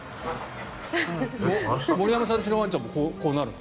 森山さんの家のワンちゃんもするの？